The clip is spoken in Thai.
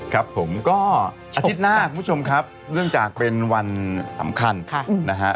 ครับผมก็อาทิตย์หน้าคุณผู้ชมครับเนื่องจากเป็นวันสำคัญนะฮะ